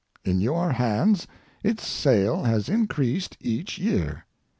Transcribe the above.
In your hands its sale has increased each year.